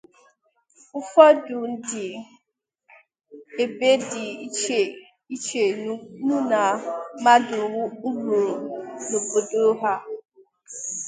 Ụfọdụ ndị bi ebe dị iche iche nụ na mmadụ nwụrụ n'obodo ha